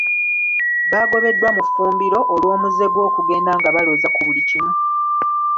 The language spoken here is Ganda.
Baagobeddwa mu ffumbiro olw'omuze gw'okugenda nga baloza ku buli kimu.